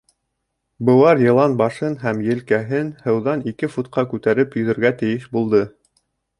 Быуар йылан башын һәм елкәһен һыуҙан ике футҡа күтәреп йөҙөргә тейеш булды.